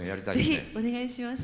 是非お願いします。